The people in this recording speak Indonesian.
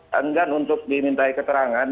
tanggat untuk dimintai keterangan